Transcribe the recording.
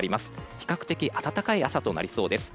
比較的暖かい朝となりそうです。